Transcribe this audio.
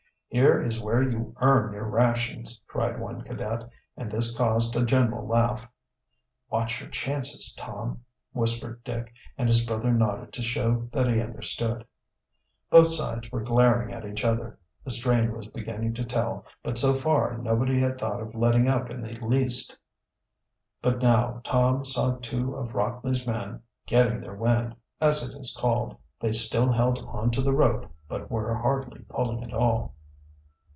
"Here is where you earn your rations!" cried one cadet, and this caused a general laugh. "Watch your chances, Tom," whispered Dick, and his brother nodded to show that he understood. Both sides were glaring at each other. The strain was beginning to tell, but so far nobody had thought of letting up in the least. But now Tom saw two of Rockley's men "getting their wind" as it is called. They still held on to the rope, but were hardly pulling at all.